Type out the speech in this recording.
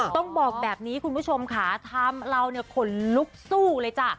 ต้องบอกแบบนี้คุณผู้ชมค่ะทำเราเนี่ยขนลุกสู้เลยจ้ะ